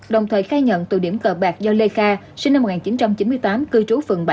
đồng thời khai nhận từ điểm cờ bạc do lê kha sinh năm một nghìn chín trăm chín mươi tám cư trú phường bảy